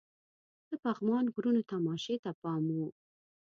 د پغمان غرونو تماشې ته پام وو.